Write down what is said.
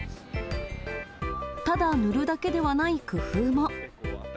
ただ塗るだけではない工夫も。